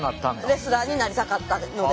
レスラーになりたかったので。